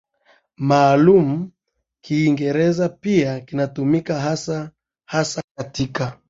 maalumu Kiingereza pia kinatumika hasa hasa katika